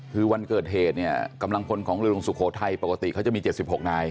คือวันเกิดเหตุเนี่ยกำลังพลของเรือหลวงสุโขทัยปกติเขาจะมี๗๖นาย